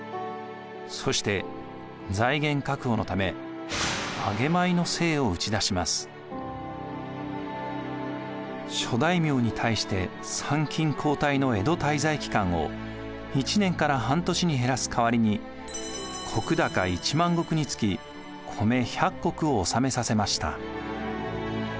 そして財源確保のため諸大名に対して参勤交代の江戸滞在期間を１年から半年に減らす代わりに石高１万石につき米１００石を納めさせました。